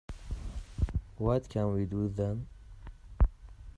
What can we do, then?